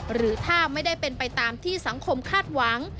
หรือถ้าไม่ได้เป็นไปตามที่สังคมคาดหวัง